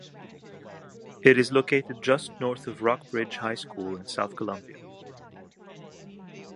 It is located just north of Rock Bridge High School in South Columbia.